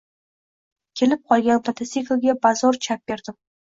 kelib qolgan motosiklga bazur chap berdim